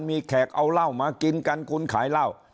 มีแขกเอาเหล้ามากินกันคุณขายเหล้า